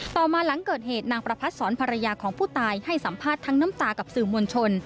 ต่อมาหลังเกิดเหตุนางประพัดศรภรรยาของผู้ตายให้สัมภาษณ์ทั้งน้ำตากับสื่อมวลชน